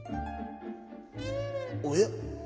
おや？